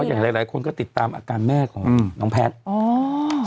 แยกหลายคนก็ติดตามอาการแม่ของน้องแพทย์